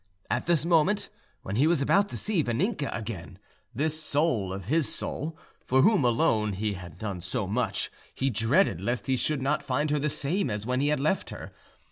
At this moment, when he was about to see Vaninka again, this soul of his soul, for whom alone he had done so much, he dreaded lest he should not find her the same as when he had left her.